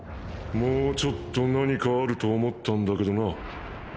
もうちょっと何かあると思ったんだけどな。